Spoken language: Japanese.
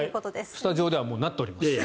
スタジオではもうなっております。